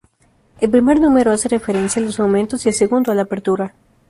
El primer número hace referencia a los aumentos y el segundo a la apertura.